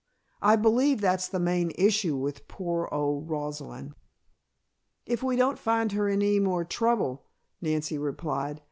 I believe that's the main issue with poor old Rosalind." "If we don't find her in any more trouble," Nancy replied.